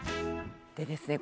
でですね